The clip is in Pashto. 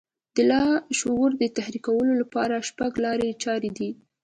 د لاشعور د تحريکولو لپاره شپږ لارې چارې دي.